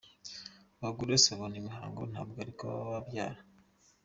Abagore bose babona imihango ntabwo ariko baba babyara.